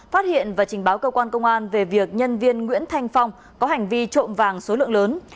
phát hiện và trình báo cơ quan công an về việc nhân viên nguyễn thanh phong có hành vi trộm vàng số lượng lớn